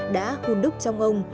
đã hùn đúc trong ông